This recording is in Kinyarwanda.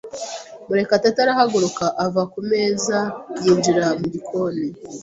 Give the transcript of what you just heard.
Murekatete arahaguruka ava ku meza yinjira mu gikoni.